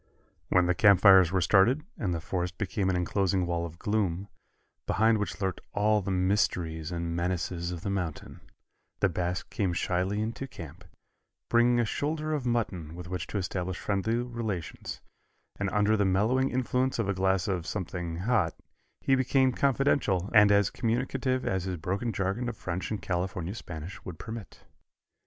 When the campfires were started, and the forest became an enclosing wall of gloom, behind which lurked all the mysteries and menaces of the mountains, the Basque came shyly into camp, bringing a shoulder of mutton with which to establish friendly relations, and under the mellowing influence of a glass of something hot he became confidential and as communicative as his broken jargon of French and California Spanish would permit.